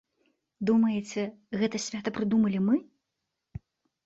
Думаеце, гэта свята прыдумалі мы?